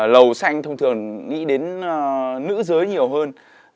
lầu xanh thông thường nghĩ đến nữ giới nhiều hơn